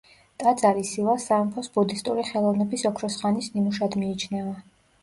ტაძარი სილას სამეფოს ბუდისტური ხელოვნების ოქროს ხანის ნიმუშად მიიჩნევა.